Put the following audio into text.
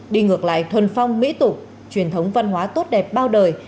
đi ngược lại thuần phong mỹ tục truyền thống văn hóa tốt đẹp bao đời